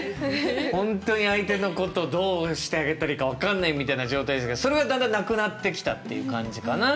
本当に相手のことをどうしてあげたらいいか分かんないみたいな状態でしたけどそれはだんだんなくなってきたっていう感じかな？